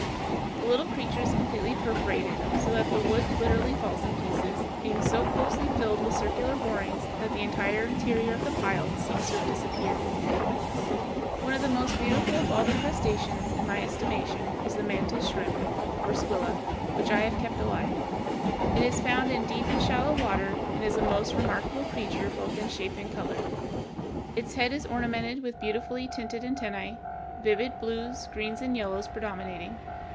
The little creatures completely perforate it, so that the wood literally falls in pieces, being so closely filled with circular borings that the entire interior of the pile seems to have disappeared. One of the most beautiful of all the crustaceans, in my estimation, is the mantis shrimp, or Squilla (Fig. 143), which I have kept alive. It is found in deep and shallow water, and is a most remarkable creature both in shape and color. Its head is ornamented with beautifully tinted antennæ, vivid blues, greens, and yellows predominating.